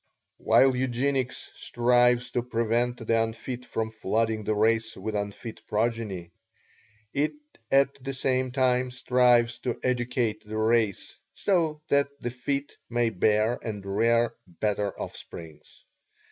While Eugenics strives to prevent the unfit from flooding the race with unfit progeny, it at the same time strives to educate the race so that the fit may bear and rear better offsprings.